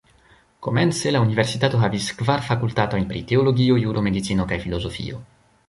Komence, la universitato havis kvar fakultatojn pri teologio, juro, medicino kaj filozofio.